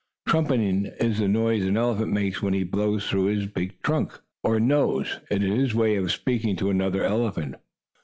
Trumpeting is the noise an elephant makes when he blows through his long trunk, or nose. It is his way of speaking to another elephant.